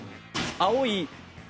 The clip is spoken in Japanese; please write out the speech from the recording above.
青い。